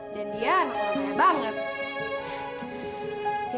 dan dia anak orang kaya banget